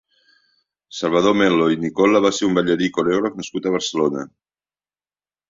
Salvador Mel·lo i Nicola va ser un ballarí i coreògraf nascut a Barcelona.